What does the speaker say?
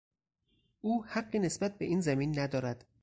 او حقی نسبت به این زمین ندارد.